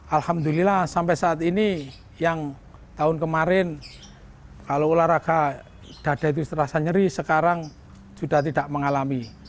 alhamdulillah sampai saat ini yang tahun kemarin kalau olahraga dada itu terasa nyeri sekarang sudah tidak mengalami